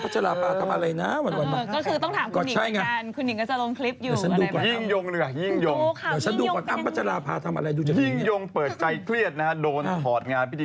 ให้เพื่อนพูดไม่เป็นไรอย่างนี้